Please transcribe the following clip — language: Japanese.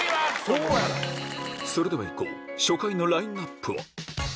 それではいこう、初回のラインナップを。